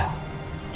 ketolak dulu ya